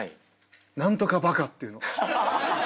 「何とかバカ」っていうの。